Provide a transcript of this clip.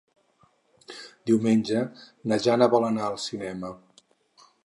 Diumenge na Jana vol anar al cinema.